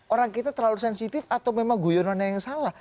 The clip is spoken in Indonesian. orang kita terlalu sensitif atau memang guyonannya yang salah